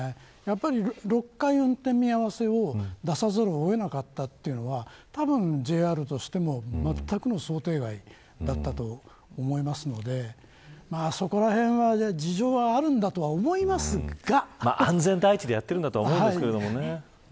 やはり、６回運転見合わせを出さざるを得なかったというのはたぶんＪＲとしてもまったくの想定外だったと思いますのでそこらへんは事情は安全第一でやっていると思うんですけどね。